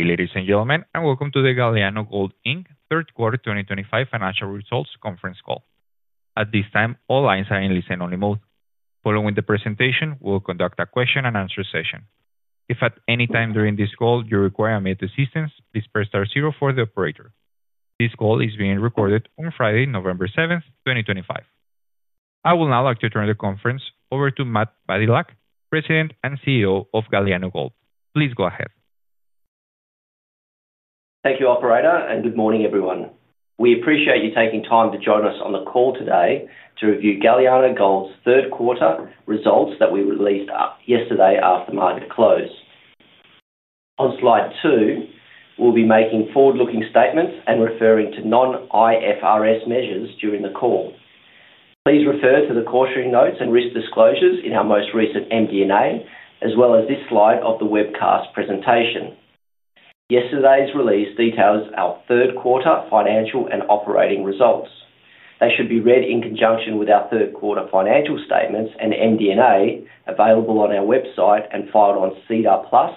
Ladies and gentlemen, and welcome to the Galiano Gold 3rd Quarter 2025 Financial Results Conference Call. At this time, all lines are in listen-only mode. Following the presentation, we will conduct a question-and-answer session. If at any time during this call you require my assistance, please press *0 for the operator. This call is being recorded on Friday, November 7th, 2025. I would now like to turn the conference over to Matt Badylak, President and CEO of Galiano Gold. Please go ahead. Thank you, Operator, and good morning, everyone. We appreciate you taking time to join us on the call today to review Galiano Gold's third quarter, results that we released yesterday after market close. On slide two, we'll be making forward-looking statements and referring to non-IFRS measures, during the call. Please refer to the cautionary notes and risk disclosures in our most recent MD&A, as well as this slide of the webcast presentation. Yesterday's release details our third quarter financial and operating results. They should be read in conjunction with our third quarter, financial statements and MD&A, available on our website and filed on SEDAR Plus,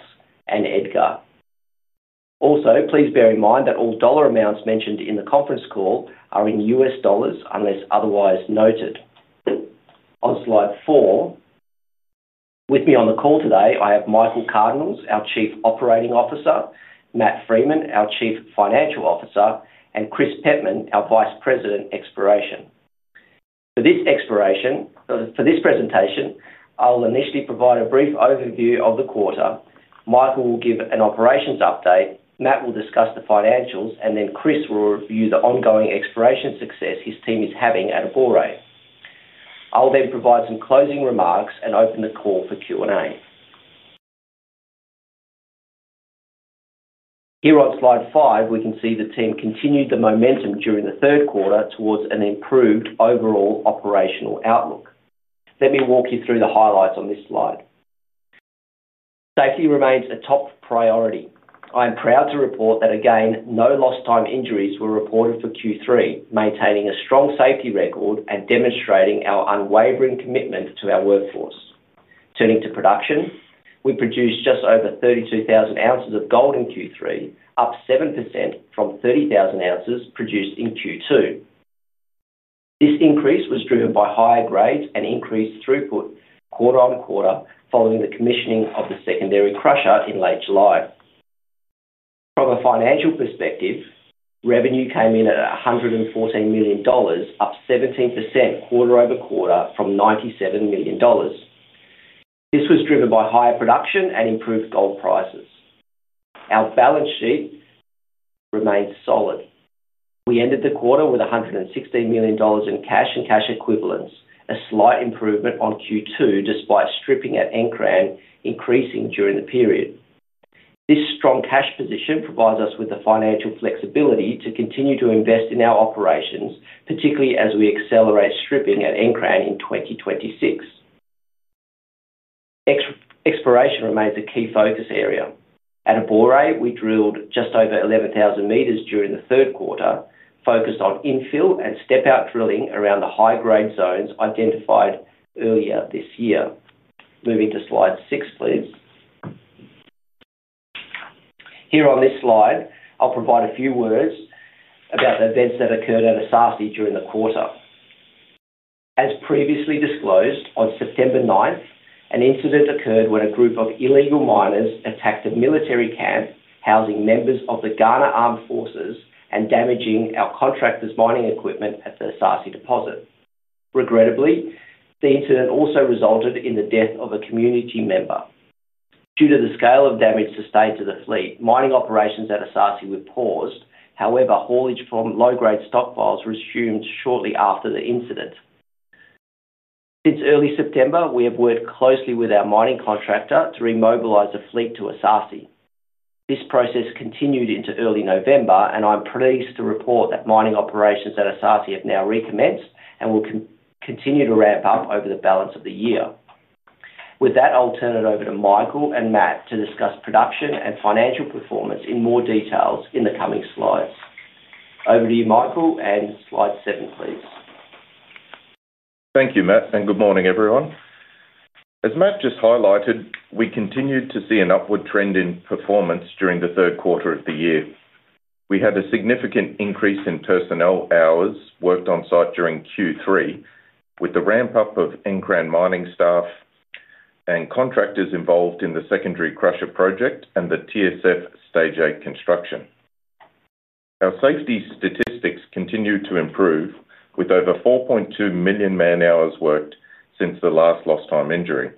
and EDGAR. Also, please bear in mind that all dollar amounts mentioned in the conference call are in U.S. dollars unless otherwise noted. On slide four, with me on the call today, I have Michael Cardinaels, our Chief Operating Officer; Matt Freeman, our Chief Financial Officer; and Chris Pettman, our Vice President, Exploration. For this presentation, I'll initially provide a brief overview of the quarter. Michael, will give an operations update, Matt, will discuss the financials, and then Chris, will review the ongoing exploration success his team is having at Abora. I'll then provide some closing remarks and open the call for Q&A. Here on slide five, we can see the team continued the momentum during the third quarter, towards an improved overall operational outlook. Let me walk you through the highlights on this slide. Safety remains a top priority. I am proud to report that, again, no lost-time injuries were reported for Q3, maintaining a strong safety record and demonstrating our unwavering commitment to our workforce. Turning to production, we produced just over 32,000 ounces, of gold in Q3, up 7%, from 30,000 ounces, produced in Q2. This increase was driven by higher grades and increased throughput quarter on quarter following the commissioning of the secondary crusher in late July. From a financial perspective, revenue came in at $114 million, up 17%, quarter over quarter, from $97 million. This was driven by higher production and improved gold prices. Our balance sheet remained solid. We ended the quarter with $116 million, in cash and cash equivalents, a slight improvement on Q2, despite stripping at Encran, increasing during the period. This strong cash position provides us with the financial flexibility to continue to invest in our operations, particularly as we accelerate stripping at Encran, in 2026. Exploration remains a key focus area. At Abora, we drilled just over 11,000 meters, during the third quarter, focused on infill and step-out drilling around the high-grade zones identified earlier this year. Moving to slide six, please. Here on this slide, I'll provide a few words about the events that occurred at Asasi, during the quarter. As previously disclosed, on September 9th, an incident occurred when a group of illegal miners attacked a military camp housing members of the Ghana Armed Forces, and damaging our contractors' mining equipment at the Asasi deposit. Regrettably, the incident also resulted in the death of a community member. Due to the scale of damage sustained to the fleet, mining operations at Asasi, were paused, however, haulage from low-grade stockpiles resumed shortly after the incident. Since early September, we have worked closely with our mining contractor to remobilize the fleet to Asasi. This process continued into early November, and I'm pleased to report that mining operations at Asasi, have now recommenced and will continue to ramp up over the balance of the year. With that, I'll turn it over to Michael and Matt, to discuss production and financial performance in more detail in the coming slides. Over to you, Michael, and slide seven, please. Thank you, Matt, and good morning, everyone. As Matt, just highlighted, we continued to see an upward trend in performance during the third quarter of the year. We had a significant increase in personnel hours worked on site during Q3, with the ramp-up of Encran, mining staff and contractors involved in the secondary crusher project and the TSF, stage eight construction. Our safety statistics continue to improve, with over 4.2 million, man-hours worked since the last lost-time injury.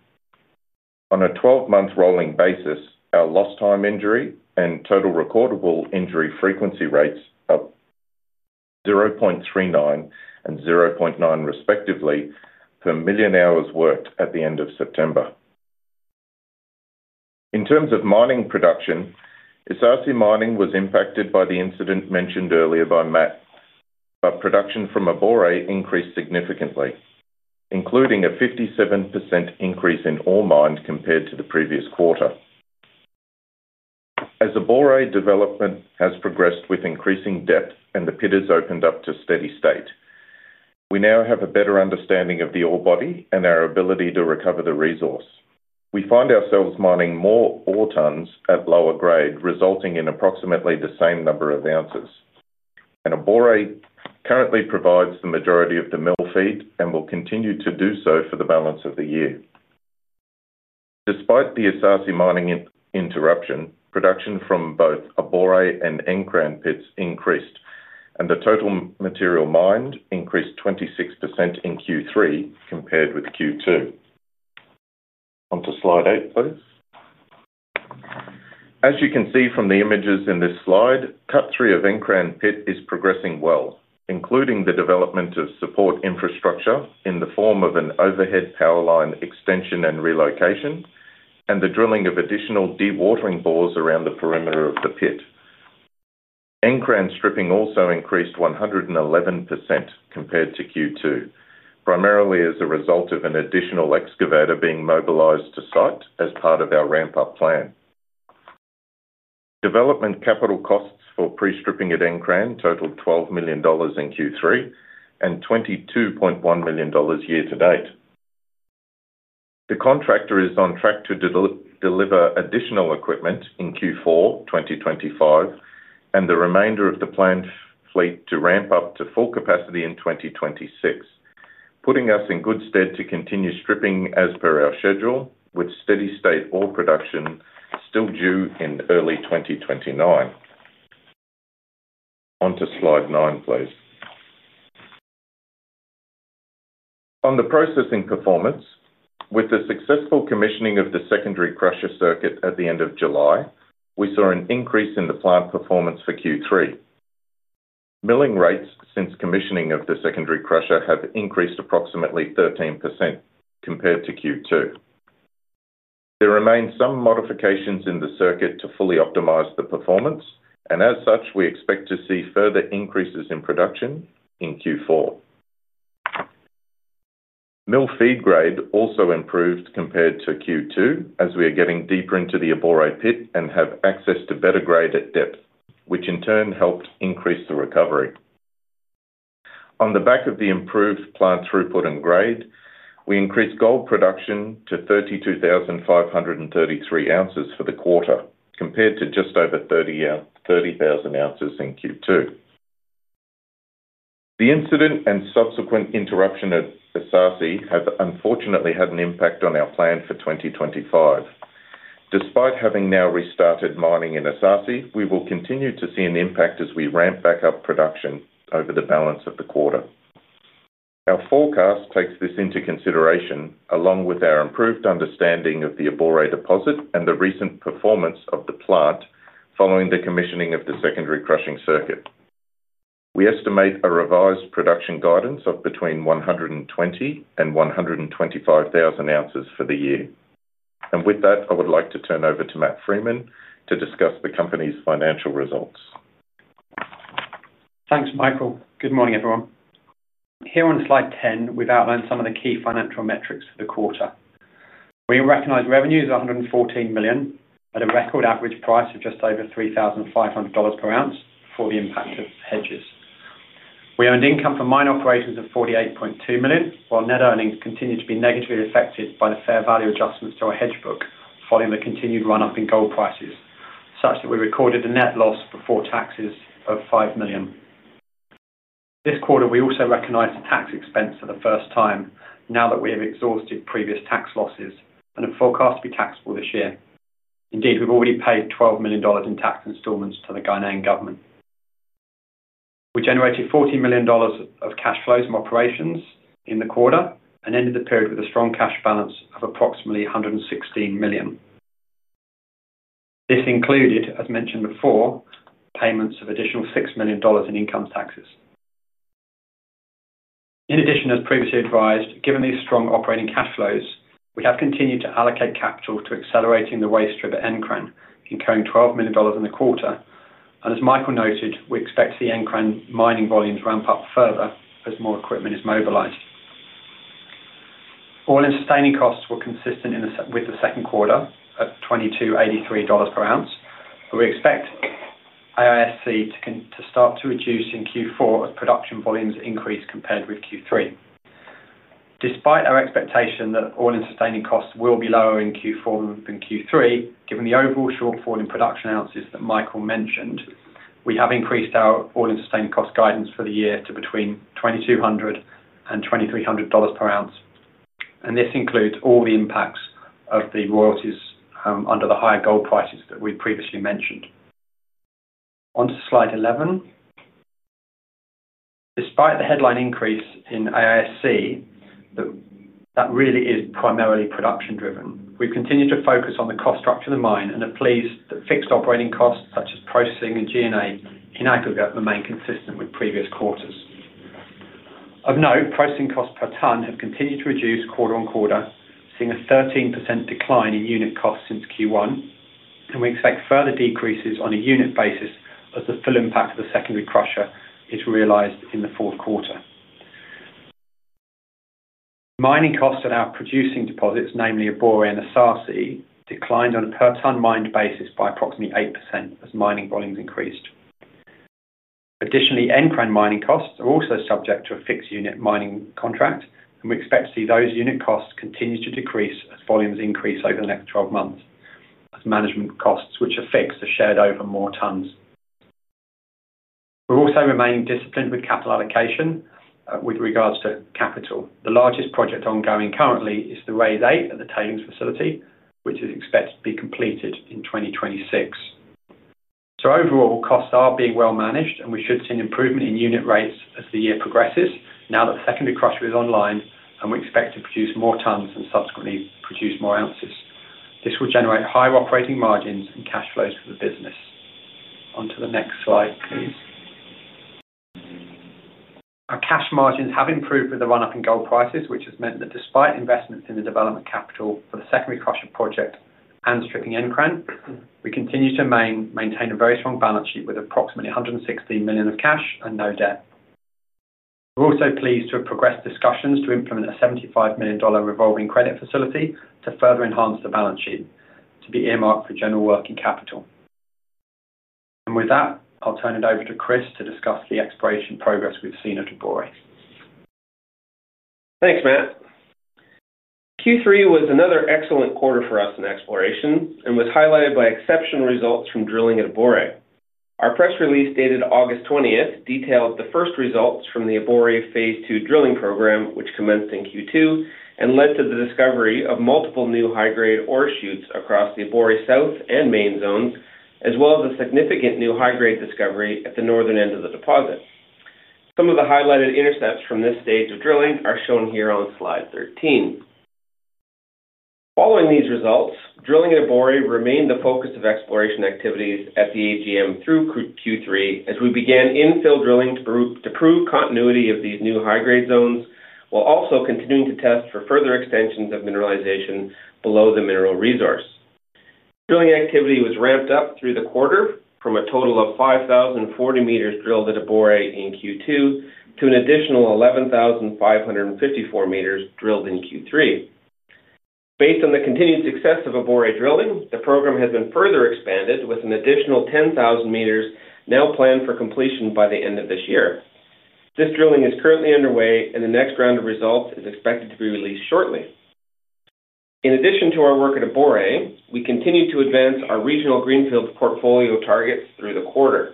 On a 12-month rolling basis, our lost-time injury and total recordable injury frequency rates are 0.39 and 0.9, respectively, per million hours worked, at the end of September. In terms of mining production, Asasi mining, was impacted by the incident mentioned earlier by Matt, but production from Abora, increased significantly, including a 57%, increase in ore mined compared to the previous quarter. As Abora, development has progressed with increasing depth and the pit has opened up to steady state, we now have a better understanding of the ore body and our ability to recover the resource. We find ourselves mining more ore tons at lower grade, resulting in approximately the same number of ounces. Abora, currently provides the majority of the mill feed and will continue to do so for the balance of the year. Despite the Asasi, mining interruption, production from both Abora and Encran, pits increased, and the total material mined increased 26%, in Q3 compared with Q2. Onto slide eight, please. As you can see from the images in this slide, cut-through of Encran, pit is progressing well, including the development of support infrastructure in the form of an overhead power line extension and relocation, and the drilling of additional dewatering bores around the perimeter of the pit. Encran, stripping also increased 111%, compared to Q2, primarily as a result of an additional excavator being mobilized to site as part of our ramp-up plan. Development capital costs, for pre-stripping at Encran, totaled $12 million, in Q3, and $22.1 million, year to date. The contractor is on track to deliver additional equipment in Q4, 2025, and the remainder of the planned fleet to ramp up to full capacity in 2026, putting us in good stead to continue stripping as per our schedule, with steady state ore production still due in early 2029. Onto slide nine, please. On the processing performance, with the successful commissioning of the secondary crusher circuit at the end of July, we saw an increase in the plant performance for Q3. Milling rates since commissioning of the secondary crusher have increased approximately 13%, compared to Q2. There remain some modifications in the circuit to fully optimize the performance, and as such, we expect to see further increases in production in Q4. Mill feed grade, also improved compared to Q2, as we are getting deeper into the Abora pit, and have access to better grade at depth, which in turn helped increase the recovery. On the back of the improved plant throughput and grade, we increased gold production to 32,533 ounces, for the quarter, compared to just over 30,000 ounces, in Q2. The incident and subsequent interruption at Asasi, have unfortunately had an impact on our plan for 2025. Despite having now restarted mining in Asasi, we will continue to see an impact as we ramp back up production over the balance of the quarter. Our forecast takes this into consideration, along with our improved understanding of the Abora deposit, and the recent performance of the plant following the commissioning of the secondary crushing circuit. We estimate a revised production guidance of between 120,000 and 125,000 ounces, for the year. With that, I would like to turn over to Matt Freeman, to discuss the company's financial results. Thanks, Michael. Good morning, everyone. Here on slide 10, we've outlined some of the key financial metrics for the quarter. We recognize revenues of $114 million, at a record average price, of just over $3,500 per ounce, for the impact of hedges. We earned income from mine operations of $48.2 million, while net earnings, continued to be negatively affected by the fair value adjustments to our hedge book following the continued run-up in gold prices, such that we recorded a net loss before taxes of $5 million. This quarter, we also recognize a tax expense, for the first time now that we have exhausted previous tax losses, and are forecast to be taxable this year. Indeed, we've already paid $12 million, in tax installments, to the Ghanaian government. We generated $40 million, of cash flows from operations in the quarter, and ended the period with a strong cash balance of approximately $116 million. This included, as mentioned before, payments of additional $6 million, in income taxes. In addition, as previously advised, given these strong operating cash flows, we have continued to allocate capital, to accelerating the waste strip at Encran, incurring $12 million, in the quarter. As Michael noted, we expect the Encran, mining volumes to ramp up further as more equipment is mobilized. All-in sustaining costs were consistent with the second quarter, at $22.83 per ounce, but we expect AISC, to start to reduce in Q4, as production volumes increase compared with Q3. Despite our expectation that all-in sustaining costs will be lower in Q4 than Q3, given the overall shortfall in production ounces that Michael, mentioned, we have increased our all-in sustaining cost guidance for the year to between $2,200 and $2,300 per ounce. This includes all the impacts of the royalties under the higher gold prices that we previously mentioned. Onto slide 11. Despite the headline increase in AISC, that really is primarily production-driven. We have continued to focus on the cost structure of the mine and are pleased that fixed operating costs such as processing and G&A, in aggregate remain consistent with previous quarters. Of note, processing costs per ton have continued to reduce quarter on quarter, seeing a 13%, decline in unit costs since Q1, and we expect further decreases on a unit basis as the full impact of the secondary crusher is realized in the fourth quarter. Mining costs at our producing deposits, namely Abora and Asasi, declined on a per-ton mined basis by approximately 8%, as mining volumes increased. Additionally, Encran, mining costs are also subject to a fixed unit mining contract, and we expect to see those unit costs continue to decrease as volumes increase over the next 12 months, as management costs, which are fixed, are shared over more tons. We're also remaining disciplined with capital allocation with regards to capital. The largest project ongoing currently is the raise eight at the tailings facility, which is expected to be completed in 2026. Overall, costs are being well managed, and we should see an improvement in unit rates as the year progresses now that the secondary crusher is online, and we expect to produce more tons and subsequently produce more ounces. This will generate higher operating margins, and cash flows, for the business. Onto the next slide, please. Our cash margins, have improved with the run-up in gold prices, which has meant that despite investments in the development capital for the secondary crusher project and stripping Encran, we continue to maintain a very strong balance sheet with approximately $116 million, of cash and no debt. We are also pleased to have progressed discussions to implement a $75 million, revolving credit facility to further enhance the balance sheet to be earmarked for general working capital. With that, I'll turn it over to Chris, to discuss the exploration progress we've seen at Abora. Thanks, Matt. Q3, was another excellent quarter for us in exploration and was highlighted by exceptional results from drilling at Abora. Our press release dated August 20, detailed the first results from the Abora, phase II, drilling program, which commenced in Q2, and led to the discovery of multiple new high-grade ore chutes across the Abora south, and main zones, as well as a significant new high-grade discovery at the northern end of the deposit. Some of the highlighted intercepts from this stage of drilling are shown here on slide 13. Following these results, drilling at Abora, remained the focus of exploration activities at the AGM, through Q3, as we began infill drilling to prove continuity of these new high-grade zones, while also continuing to test for further extensions of mineralization below the mineral resource. Drilling activity, was ramped up through the quarter from a total of 5,040 meters drilled, at Abora, in Q2, to an additional 11,554 meters drilled, in Q3. Based on the continued success of Abora drilling, the program has been further expanded with an additional 10,000 meters, now planned for completion by the end of this year. This drilling is currently underway, and the next round of results is expected to be released shortly. In addition to our work at Abora, we continue to advance our regional greenfield portfolio targets through the quarter.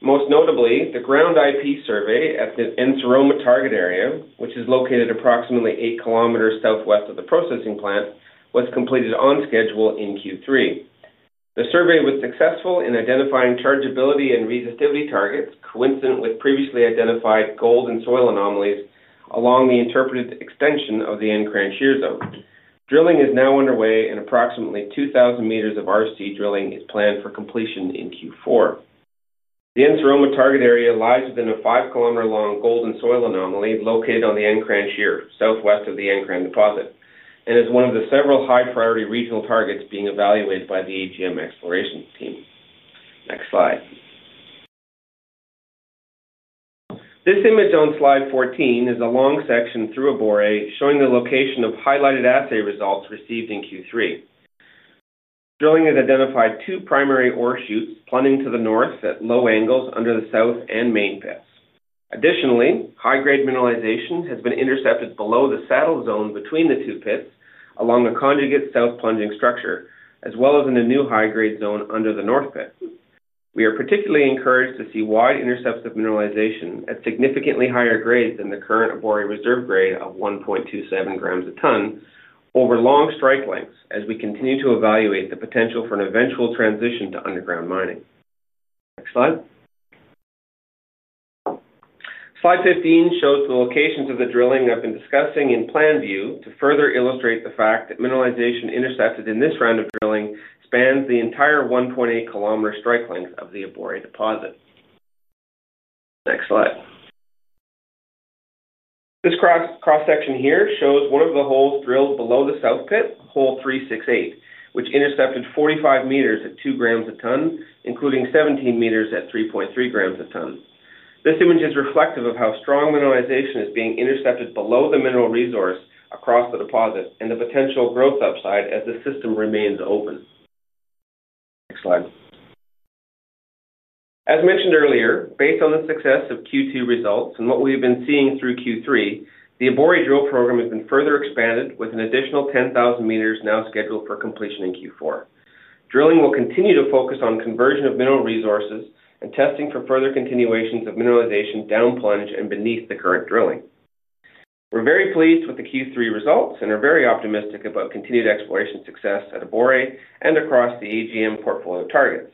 Most notably, the ground IP survey, at the Enceroma, target area, which is located approximately 8 kilometers southwest, of the processing plant, was completed on schedule in Q3. The survey was successful in identifying chargeability and resistivity targets coincident with previously identified gold and soil anomalies along the interpreted extension of the Encran, shear zone. Drilling is now underway, and approximately 2,000 meters, of RC drilling, is planned for completion in Q4. The Enceroma, target area lies within a 5-kilometer-long, gold and soil anomaly located on the Encran shear, southwest of the Encran deposit, and is one of the several high-priority regional targets being evaluated by the AGM exploration team. Next slide. This image on slide 14 is a long section through Abora, showing the location of highlighted assay results received in Q3. Drilling, has identified two primary ore chutes, plunging to the north at low angles under the south and main pits. Additionally, high-grade mineralization has been intercepted below the saddle zone between the two pits along a conjugate south plunging structure, as well as in a new high-grade zone under the north pit. We are particularly encouraged to see wide intercepts of mineralization at significantly higher grades than the current Abora reserve grade, of 1.27 grams per ton, over long strike lengths as we continue to evaluate the potential for an eventual transition to underground mining. Next slide. Slide 15, shows the locations of the drilling I have been discussing in plan view to further illustrate the fact that mineralization intercepted in this round of drilling spans the entire 1.8-kilometer strike length, of the Abora deposit. Next slide. This cross-section here shows one of the holes drilled below the south pit, hole 368, which intercepted 45 meters, at 2 grams per ton, including 17 meters, at 3.3 grams per ton. This image is reflective of how strong mineralization is being intercepted below the mineral resource across the deposit and the potential growth upside as the system remains open. Next slide. As mentioned earlier, based on the success of Q2 results, and what we have been seeing through Q3, the Abora drill program, has been further expanded with an additional 10,000 meters, now scheduled for completion in Q4. Drilling, will continue to focus on conversion of mineral resources and testing for further continuations of mineralization down plunge and beneath the current drilling. We're very pleased with the Q3 results, and are very optimistic about continued exploration success at Abora, and across the AGM portfolio targets.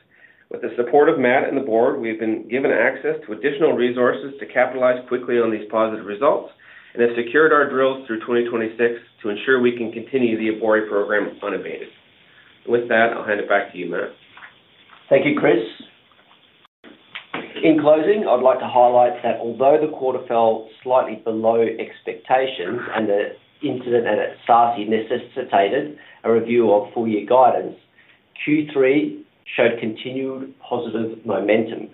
With the support of Matt, and the board, we've been given access to additional resources to capitalize quickly on these positive results and have secured our drills through 2026, to ensure we can continue the Abora program, unabated. With that, I'll hand it back to you, Matt. Thank you, Chris. In closing, I'd like to highlight that although the quarter fell slightly below expectations and the incident at Asasi, necessitated a review of four-year guidance, Q3, showed continued positive momentum.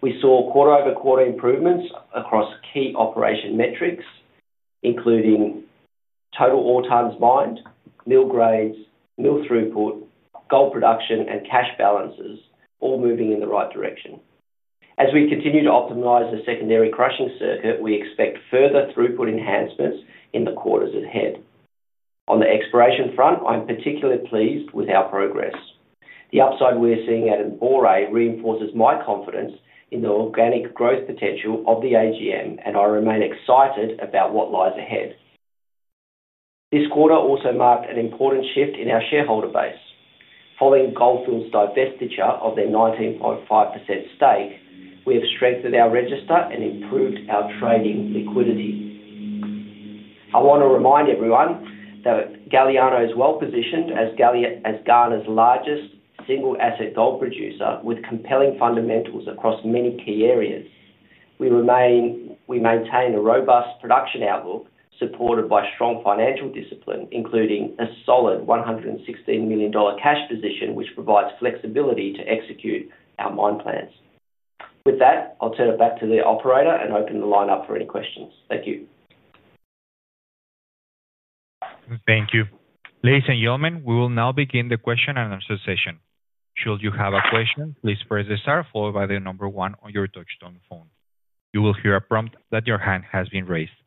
We saw quarter-over-quarter, improvements across key operation metrics, including total all-times mined, mill grades, mill throughput, gold production, and cash balances, all moving in the right direction. As we continue to optimize the secondary crushing circuit, we expect further throughput enhancements in the quarters ahead. On the exploration front, I'm particularly pleased with our progress. The upside we're seeing at Abora, reinforces my confidence in the organic growth potential of the AGM, and I remain excited about what lies ahead. This quarter also marked an important shift in our shareholder base. Following Gold Fields', divestiture of their 19.5% stake, we have strengthened our register and improved our trading liquidity. I want to remind everyone that Galiano, is well positioned as Ghana's, largest single-asset gold producer, with compelling fundamentals across many key areas. We maintain a robust production outlook supported by strong financial discipline, including a solid $116 million, cash position, which provides flexibility to execute our mine plans. With that, I'll turn it back to the operator and open the line up for any questions. Thank you. Thank you. Ladies and gentlemen, we will now begin the question and answer session. Should you have a question, please press the star followed by the number one on your touchstone phone. You will hear a prompt that your hand has been raised.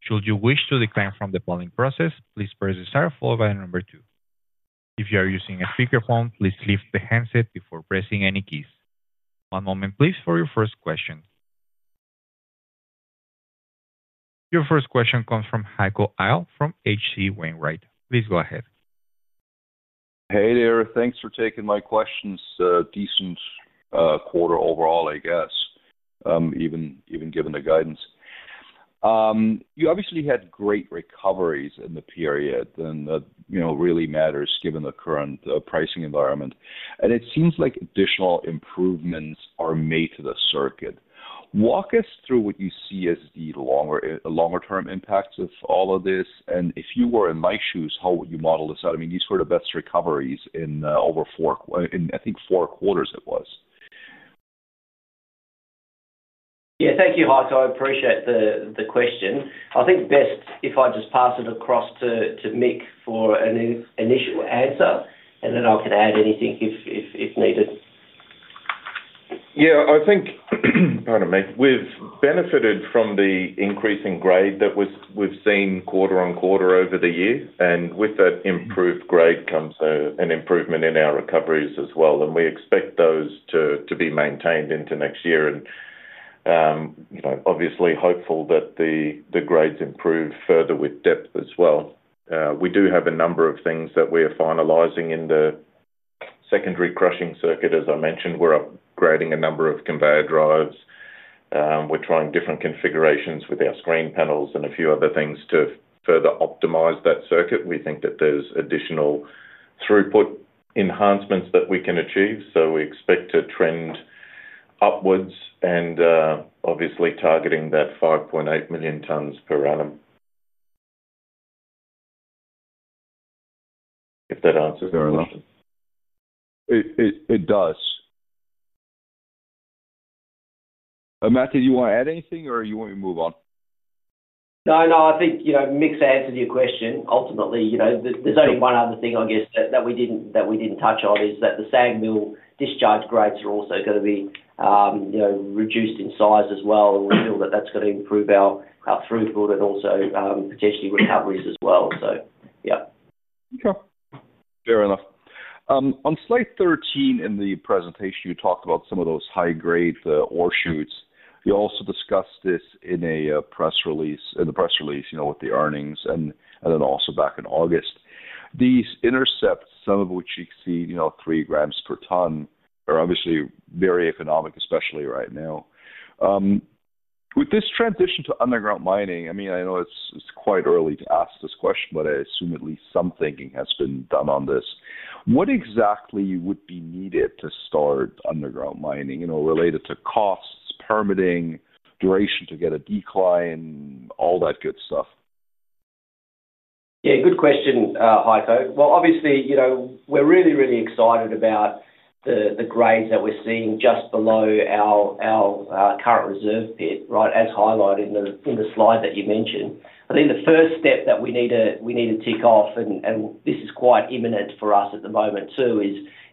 Should you wish to decline from the following process, please press the star followed by the number two. If you are using a speakerphone, please lift the handset before pressing any keys. One moment, please, for your first question. Your first question comes from Heiko Ihle, from HC Wainwright. Please go ahead. Hey there. Thanks for taking my questions. Decent quarter overall, I guess, even given the guidance. You obviously had great recoveries in the period, and that really matters given the current pricing environment. It seems like additional improvements are made to the circuit. Walk us through what you see as the longer-term impacts of all of this. If you were in my shoes, how would you model this out? I mean, these were the best recoveries in over four, I think four quarters, it was. Yeah, thank you, Heiko. I appreciate the question. I think best if I just pass it across to Mick, for an initial answer, and then I can add anything if needed. Yeah, I think, pardon me, we've benefited from the increasing grade that we've seen quarter on quarter, over the year. With that improved grade comes an improvement in our recoveries as well. We expect those to be maintained into next year. Obviously hopeful that the grades improve further with depth as well. We do have a number of things that we are finalizing in the secondary crushing circuit. As I mentioned, we're upgrading a number of conveyor drives. We're trying different configurations with our screen panels and a few other things to further optimize that circuit. We think that there's additional throughput enhancements that we can achieve. We expect to trend upwards and obviously targeting that 5.8 million tons, per annum. If that answers your question. It does. Matthew, do you want to add anything or you want me to move on? No, no. I think Mick's answered your question. Ultimately, there's only one other thing I guess that we didn't touch on is that the sand mill discharge grades, are also going to be reduced in size as well. We feel that that's going to improve our throughput and also potentially recoveries as well. Yeah. Fair enough. On slide 13, in the presentation, you talked about some of those high-grade ore chutes. You also discussed this in the press release with the earnings, and then also back in August. These intercepts, some of which you see 3 grams per ton, are obviously very economic, especially right now. With this transition to underground mining, I mean, I know it's quite early to ask this question, but I assume at least some thinking has been done on this. What exactly would be needed to start underground mining related to costs, permitting, duration to get a decline, all that good stuff? Yeah, good question, Heiko. Obviously, we're really, really excited about the grades that we're seeing just below our current reserve pit, right, as highlighted in the slide that you mentioned. I think the first step that we need to tick off, and this is quite imminent for us at the moment too,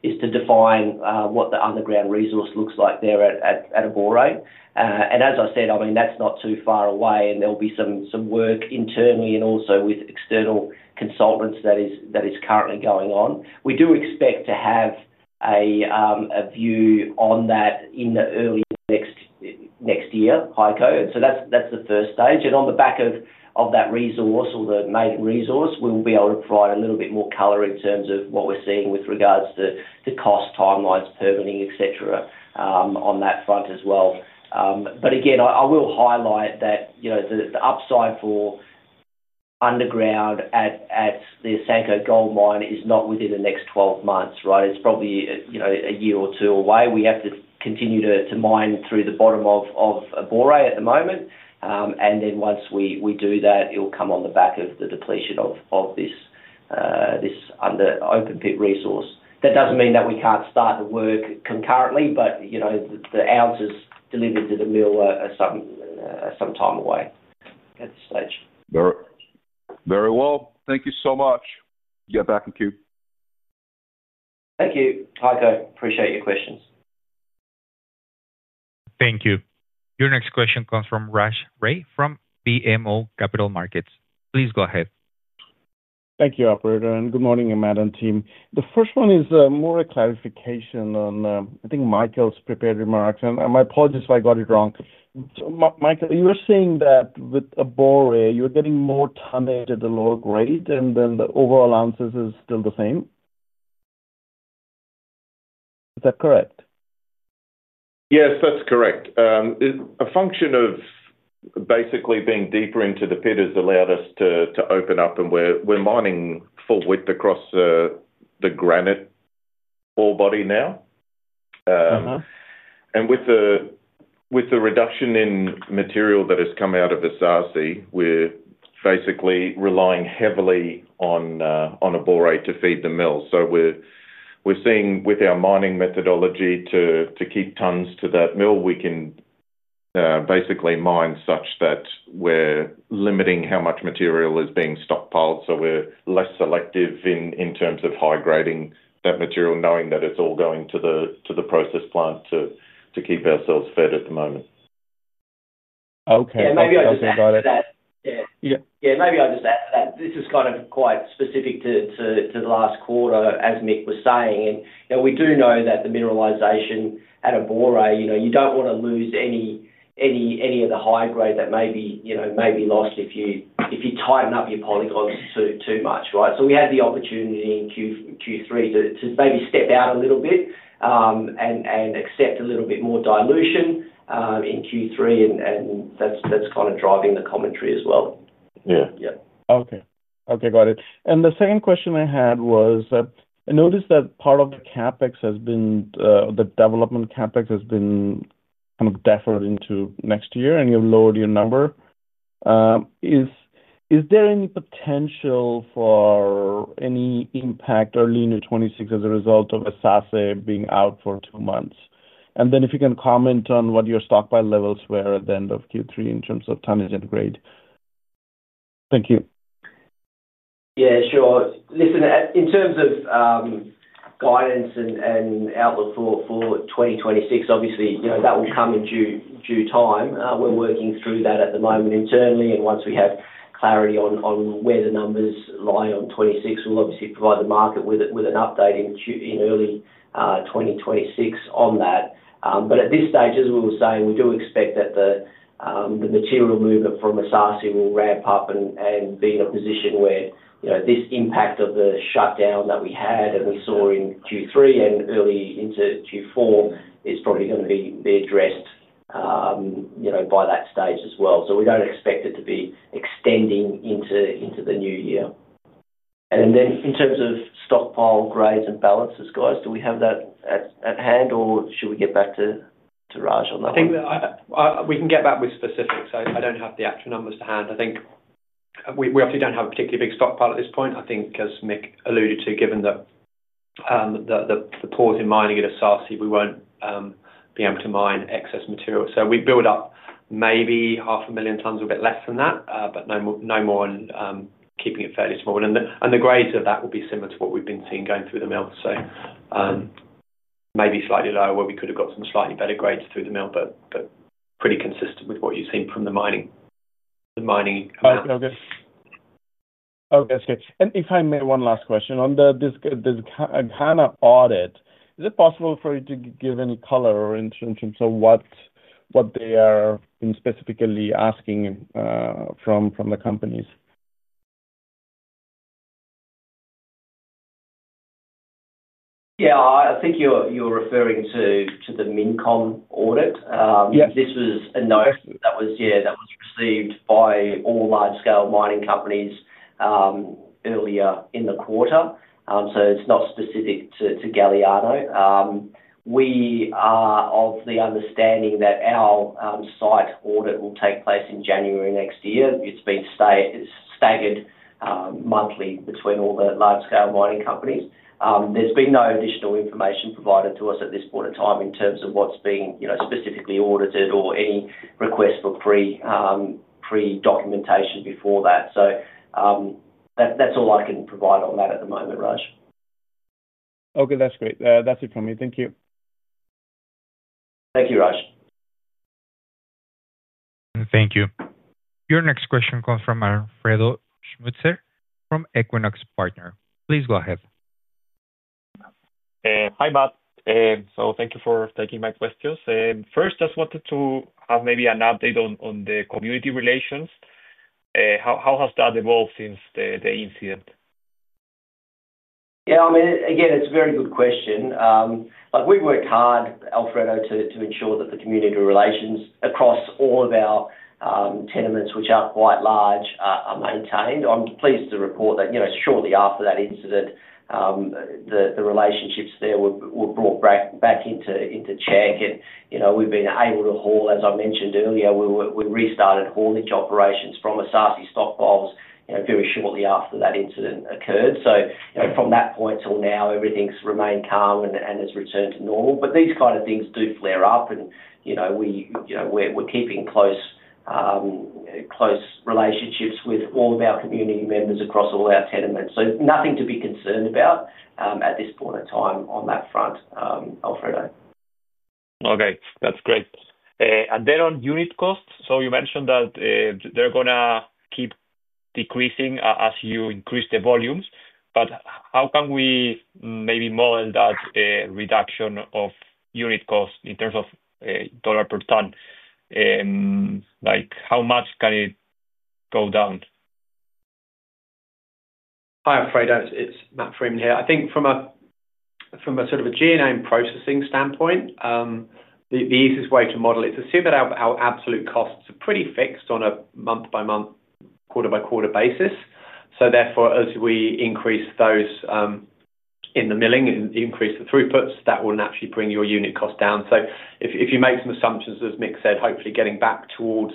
is to define what the underground resource looks like there at Abora. As I said, I mean, that's not too far away, and there'll be some work internally and also with external consultants that is currently going on. We do expect to have a view on that in early next year, Heiko. That's the first stage. On the back of that resource or the main resource, we'll be able to provide a little bit more color in terms of what we're seeing with regards to cost, timelines, permitting, etc., on that front as well. I will highlight that the upside for underground at the Asanko Gold Mine, is not within the next 12 months, right? It's probably a year or two away. We have to continue to mine through the bottom of Abora, at the moment. Once we do that, it'll come on the back of the depletion of this open-pit resource. That does not mean that we can't start the work concurrently, but the ounces delivered to the mill are some time away at this stage. Very well. Thank you so much. Get back in queue. Thank you, Heiko. Appreciate your questions. Thank you. Your next question comes from Raj Ray, from BMO Capital Markets. Please go ahead. Thank you, Operator. Good morning, Matt and team. The first one is more a clarification on, I think, Michael's prepared remarks. My apologies if I got it wrong. Michael, you were saying that with Abora, you're getting more tonnage at the lower grade, and then the overall ounces is still the same. Is that correct? Yes, that's correct. A function of basically being deeper into the pit has allowed us to open up, and we're mining full width across the granite ore body now. With the reduction in material that has come out of Asasi, we're basically relying heavily on Abora, to feed the mill. We're seeing with our mining methodology to keep tons to that mill, we can basically mine such that we're limiting how much material is being stockpiled. We're less selective in terms of high-grading that material, knowing that it's all going to the process plant to keep ourselves fed at the moment. Okay. Yeah, maybe I'll just add that this is kind of quite specific to the last quarter, as Mick, was saying. We do know that the mineralization at Abora, you do not want to lose any of the high grade that may be lost if you tighten up your polygons too much, right? We had the opportunity in Q3, to maybe step out a little bit and accept a little bit more dilution in Q3, and that's kind of driving the commentary as well. Yeah. Okay. Okay, got it. The second question I had was, I noticed that part of the CapEx, has been, the development CapEx, has been kind of deferred into next year, and you've lowered your number. Is there any potential for any impact early in 2026, as a result of Asasi, being out for two months? If you can comment on what your stockpile levels, were at the end of Q3, in terms of tonnage and grade. Thank you. Yeah, sure. Listen, in terms of guidance and outlook for 2026, obviously, that will come in due time. We're working through that at the moment internally. Once we have clarity on where the numbers lie on 2026, we'll obviously provide the market with an update in early 2026, on that. At this stage, as we were saying, we do expect that the material movement from Asasi, will ramp up and be in a position where this impact of the shutdown that we had and we saw in Q3, and early into Q4, is probably going to be addressed by that stage as well. We do not expect it to be extending into the new year. In terms of stockpile grades and balances, guys, do we have that at hand, or should we get back to Raj on that one? I think we can get back with specifics. I don't have the actual numbers to hand. I think we obviously don't have a particularly big stockpile, at this point. I think, as Mick alluded to, given the pause in mining at Asasi, we won't be able to mine excess material. We built up maybe 500,000 tons, a bit less than that, but no more on keeping it fairly small. The grades of that will be similar to what we've been seeing going through the mill. Maybe slightly lower where we could have got some slightly better grades through the mill, but pretty consistent with what you've seen from the mining. Okay. Okay. That's good. If I may, one last question. On the Ghana audit, is it possible for you to give any color in terms of what they are specifically asking from the companies? Yeah. I think you're referring to the Mincom audit. This was a note that was, yeah, that was received by all large-scale mining companies earlier in the quarter. It is not specific to Galiano. We are of the understanding that our site audit will take place in January, next year. It has been staggered monthly between all the large-scale mining companies. There has been no additional information provided to us at this point in time in terms of what is being specifically audited or any request for pre-documentation before that. That is all I can provide on that at the moment, Raj. Okay, that's great. That's it from me. Thank you. Thank you, Raj. Thank you. Your next question comes from Alfredo Schmützer, from Equinox Partners. Please go ahead. Hi, Matt. Thank you for taking my questions. First, I just wanted to have maybe an update on the community relations. How has that evolved since the incident? Yeah, I mean, again, it's a very good question. We worked hard, Alfredo, to ensure that the community relations across all of our tenements, which are quite large, are maintained. I'm pleased to report that shortly after that incident, the relationships there were brought back into check. We've been able to haul, as I mentioned earlier, we restarted haulage operations from Asasi stockpiles, very shortly after that incident occurred. From that point till now, everything's remained calm and has returned to normal. These kind of things do flare up, and we're keeping close relationships with all of our community members across all our tenements. Nothing to be concerned about at this point in time on that front, Alfredo. Okay, that's great. On unit costs, you mentioned that they're going to keep decreasing as you increase the volumes. How can we maybe model that reduction of unit costs, in terms of dollar per ton? How much can it go down? Hi, Alfredo. It's Matt Freeman here. I think from a sort of a GNM, processing standpoint, the easiest way to model it is to assume that our absolute costs are pretty fixed on a month-by-month, quarter-by-quarter basis. Therefore, as we increase those in the milling, and increase the throughputs, that will naturally bring your unit cost down. If you make some assumptions, as Mick said, hopefully getting back towards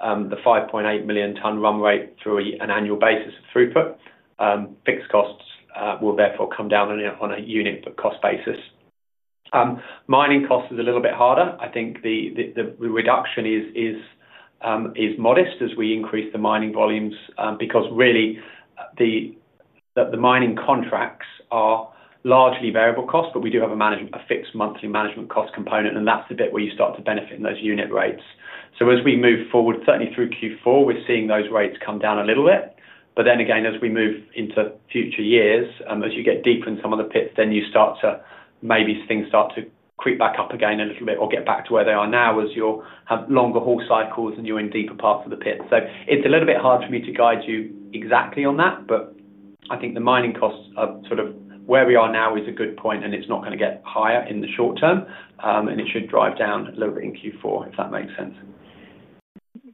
the 5.8 million ton, run rate through an annual basis of throughput, fixed costs, will therefore come down on a unit cost basis. Mining costs, is a little bit harder. I think the reduction is modest as we increase the mining volumes because really the mining contracts are largely variable costs, but we do have a fixed monthly management cost, component, and that's the bit where you start to benefit in those unit rates. As we move forward, certainly through Q4, we're seeing those rates come down a little bit. Then again, as we move into future years, as you get deeper in some of the pits, you start to, maybe things start to creep back up again a little bit or get back to where they are now as you have longer haul cycles, and you're in deeper parts of the pit. It's a little bit hard for me to guide you exactly on that, but I think the mining costs are sort of where we are now is a good point, and it's not going to get higher in the short term, and it should drive down a little bit in Q4, if that makes sense.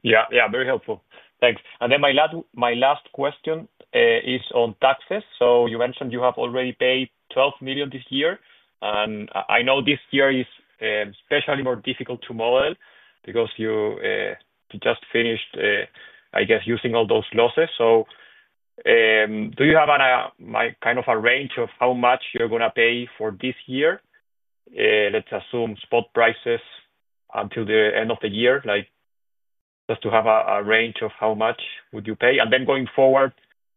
Yeah. Yeah, very helpful. Thanks. My last question is on taxes. You mentioned you have already paid $12 million, this year. I know this year is especially more difficult to model because you just finished, I guess, using all those losses. Do you have kind of a range of how much you're going to pay for this year? Let's assume spot prices until the end of the year, just to have a range of how much you would pay. Going forward,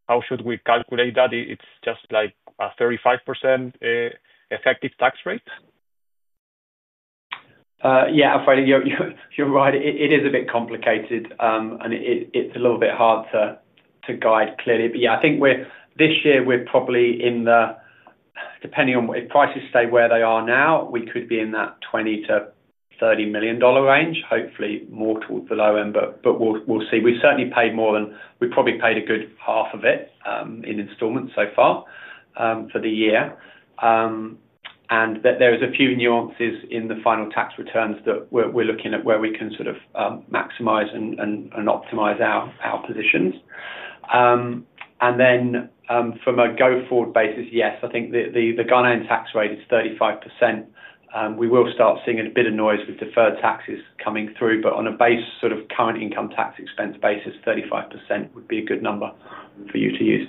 how should we calculate that? It's just like a 35%, effective tax rate? Yeah, Alfredo, you're right. It is a bit complicated, and it's a little bit hard to guide clearly. Yeah, I think this year we're probably in the, depending on if prices stay where they are now, we could be in that $20 million-$30 million range, hopefully more towards the low end, but we'll see. We've certainly paid more than, we've probably paid a good half of it in installments, so far for the year. There are a few nuances in the final tax returns, that we're looking at where we can sort of maximize and optimize our positions. From a go-forward basis, yes, I think the Ghana tax rate is 35%. We will start seeing a bit of noise with deferred taxes coming through, but on a base sort of current income tax expense, basis, 35%, would be a good number for you to use.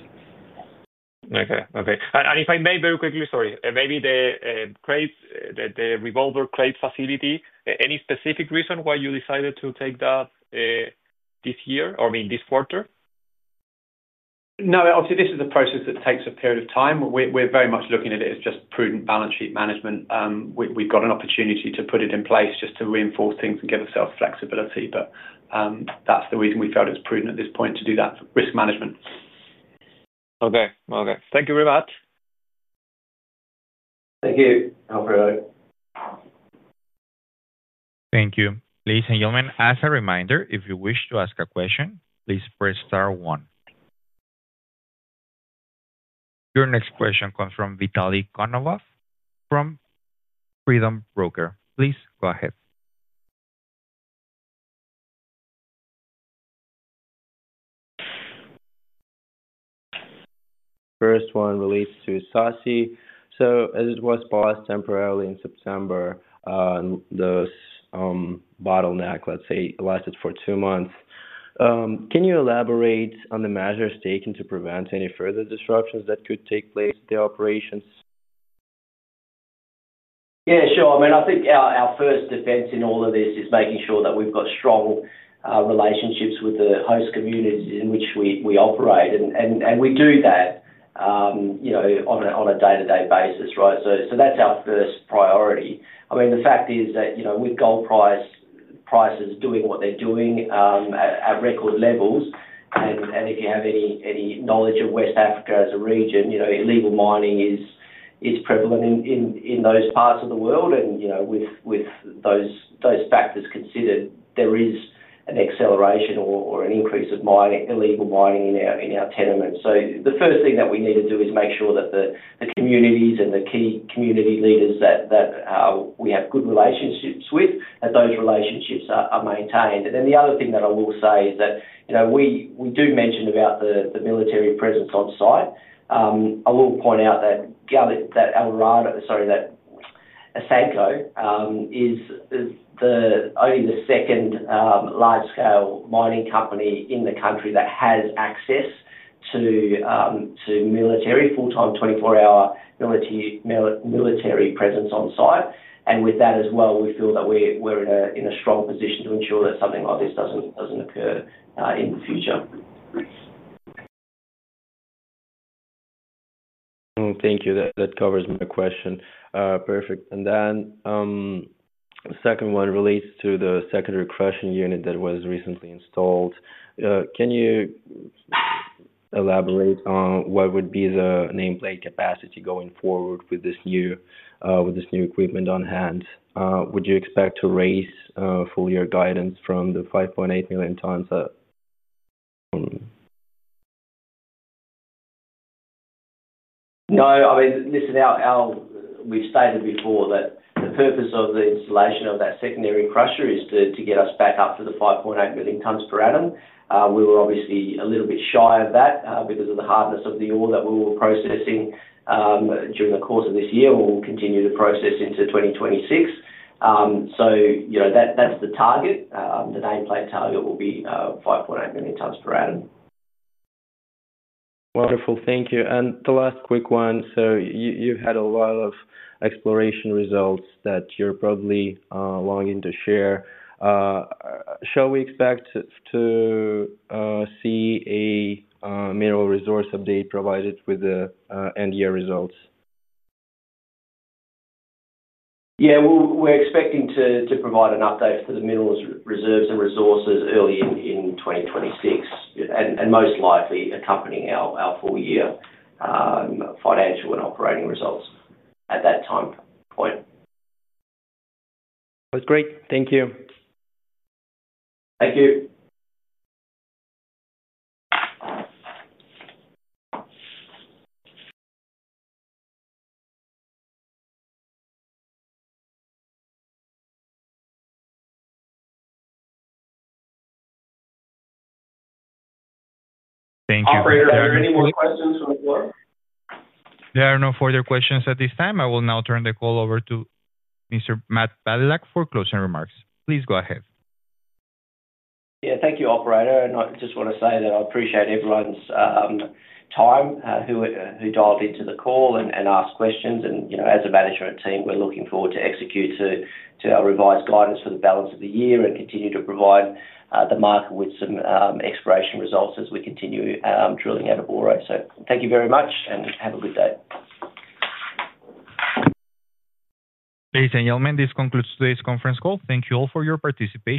Okay. Okay. If I may very quickly, sorry, maybe the revolver credit facility, any specific reason why you decided to take that this year or in this quarter? No, obviously, this is a process that takes a period of time. We're very much looking at it as just prudent balance sheet management. We've got an opportunity to put it in place just to reinforce things and give ourselves flexibility. That's the reason we felt it was prudent at this point to do that risk management. Okay. Okay. Thank you very much. Thank you, Alfredo. Thank you. Ladies and gentlemen, as a reminder, if you wish to ask a question, please press star one. Your next question comes from Vitaly Konovalov, from Freedom Broker. Please go ahead. First one relates to Asasi. So as it was paused temporarily in September, the bottleneck, let's say, lasted for two months. Can you elaborate on the measures taken to prevent any further disruptions that could take place in the operations? Yeah, sure. I mean, I think our first defense in all of this is making sure that we've got strong relationships with the host communities in which we operate. We do that on a day-to-day basis, right? That's our first priority. I mean, the fact is that with gold prices, doing what they're doing at record levels, and if you have any knowledge of West Africa, as a region, illegal mining is prevalent in those parts of the world. With those factors considered, there is an acceleration or an increase of illegal mining in our tenements. The first thing that we need to do is make sure that the communities and the key community leaders that we have good relationships with, that those relationships are maintained. The other thing that I will say is that we do mention about the military presence on site. I will point out that, sorry, that Asanko, is only the second large-scale mining company, in the country that has access to full-time, 24-hour military presence on site. With that as well, we feel that we're in a strong position to ensure that something like this does not occur in the future. Thank you. That covers my question. Perfect. The second one relates to the secondary crushing unit that was recently installed. Can you elaborate on what would be the nameplate capacity going forward with this new equipment on hand? Would you expect to raise full year guidance from the 5.8 million tons? No. I mean, listen, we've stated before that the purpose of the installation of that secondary crusher is to get us back up to the 5.8 million tons, per annum. We were obviously a little bit shy of that because of the hardness of the ore that we were processing during the course of this year and will continue to process into 2026. That is the target. The nameplate target will be 5.8 million tons per annum. Wonderful. Thank you. The last quick one. You've had a lot of exploration results that you're probably longing to share. Shall we expect to see a mineral resource update provided with the end-year results? Yeah. We're expecting to provide an update to the mineral reserves and resources early in 2026, and most likely accompanying our full-year financial and operating results at that time point. That's great. Thank you. Thank you. Thank you. Alfredo, are there any more questions from the floor? There are no further questions at this time. I will now turn the call over to Mr. Matt Badylak, for closing remarks. Please go ahead. Yeah. Thank you, Alfredo. I just want to say that I appreciate everyone's time who dialed into the call and asked questions. As a management team, we're looking forward to execute to our revised guidance for the balance of the year and continue to provide the market with some exploration results as we continue drilling out of ore. Thank you very much and have a good day. Ladies and gentlemen, this concludes today's conference call. Thank you all for your participation.